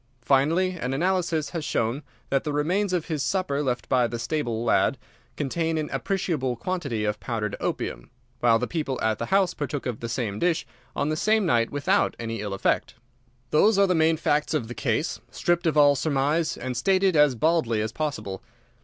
Finally, an analysis has shown that the remains of his supper left by the stable lad contain an appreciable quantity of powdered opium, while the people at the house partook of the same dish on the same night without any ill effect. "Those are the main facts of the case, stripped of all surmise, and stated as baldly as possible.